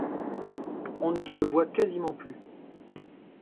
On ne se voit quasiment plus…